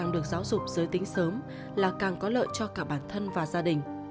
được giáo dục giới tính sớm là càng có lợi cho cả bản thân và gia đình